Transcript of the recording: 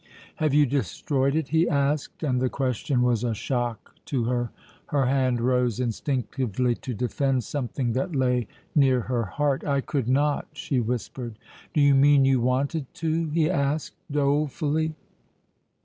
"Have you destroyed it?" he asked, and the question was a shock to her. Her hand rose instinctively to defend something that lay near her heart. "I could not," she whispered. "Do you mean you wanted to?" he asked dolefully.